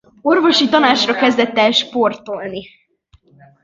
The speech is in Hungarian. Orvosi tanácsra kezdett el sportolni.